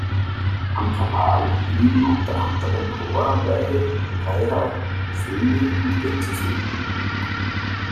Am Kanal leben unter anderem Rohrweihe, Reiher, Schwäne und Gänsevögel.